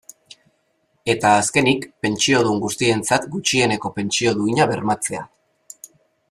Eta azkenik, pentsiodun guztientzat gutxieneko pentsio duina bermatzea.